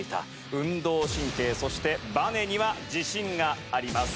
運動神経そしてバネには自信があります。